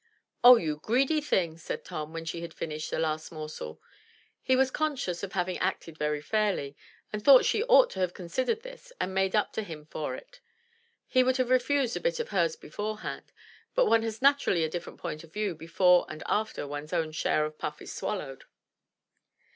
"Oh, you greedy thing,'* said Tom when she had finished the last morsel. He was conscious of having acted very fairly, and thought she ought to have considered this and made up to him for it. He would have refused a bit of hers beforehand, but one has naturally a different point of view before and after one's own share of puff is swallowed.